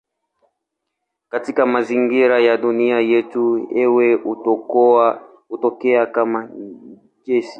Katika mazingira ya dunia yetu hewa hutokea kama gesi.